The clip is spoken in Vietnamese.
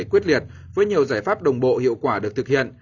quyết liệt với nhiều giải pháp đồng bộ hiệu quả được thực hiện